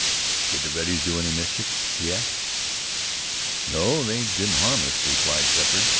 "Did the reddys do any mischief?" he asked. "No, they didn't harm us," replied Sheppard.